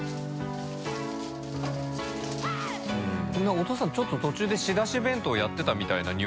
お父さんちょっと途中で仕出し弁当やってたみたいな縫絅